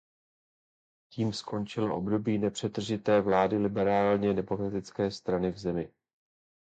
Tím skončilo období nepřetržité vlády liberálně demokratické strany v zemi.